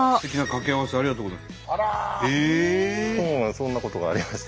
そんなことがありまして。